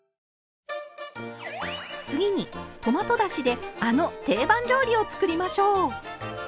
次にトマトだしであの定番料理を作りましょう。